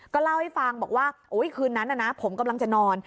ก็เล่าให้ฟังบอกว่าคืนนั้นนะผมกำลังจะนอน